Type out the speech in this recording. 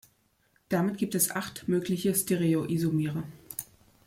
Damit gibt es acht mögliche Stereoisomere.